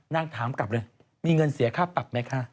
นางถามกลับเลยมีเงินเสียค่าปรับไหมคะ